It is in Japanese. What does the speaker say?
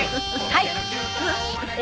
はい。